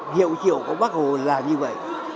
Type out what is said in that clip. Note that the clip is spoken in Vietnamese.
người đều làm như vậy